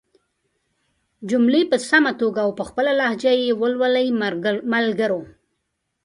جملې په سمه توګه او په خپله لهجه ېې ولولئ ملګرو!